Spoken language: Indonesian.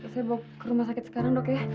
saya bawa ke rumah sakit sekarang dok ya